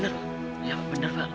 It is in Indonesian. ya benar pak